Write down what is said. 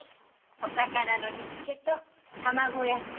お魚の煮つけと卵焼き。